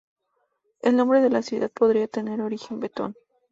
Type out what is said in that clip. El nombre de la ciudad podría tener origen vetón.